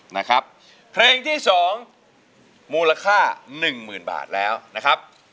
นะครับเพลงที่๒มูลค่าหนึ่งหมื่นบาทแล้วนะครับ